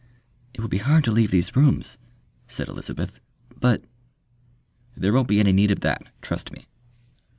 "It would be hard to leave these rooms," said Elizabeth; "but " "There won't be any need of that trust me."